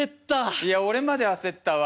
いや俺まで焦ったわ。